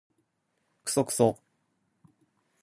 クソクソ